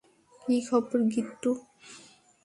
কী খবর, গিট্টু?